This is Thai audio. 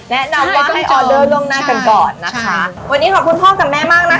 แนะนำว่าให้ออเดอร์ล่วงหน้ากันก่อนนะคะวันนี้ขอบคุณพ่อกับแม่มากนะคะ